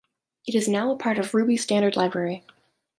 It is now a part of Ruby standard library.